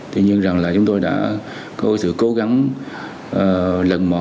tuy nhiên chúng tôi đã có sự cố gắng lần mò